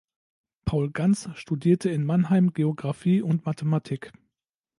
Paul Gans studierte in Mannheim Geographie und Mathematik.